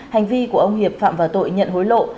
hành vi của ông hiệp phạm vào tội nhận hối lộ